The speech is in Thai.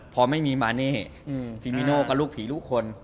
พอไม่มีมาเน่ฟิมิโน่ก็ลูกผีลูกคน